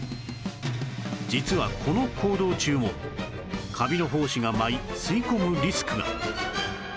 実はこの行動中もカビの胞子が舞い吸い込むリスクが